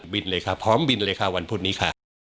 บินเลยค่ะพร้อมบินเลยค่ะวันพุธนี้ค่ะ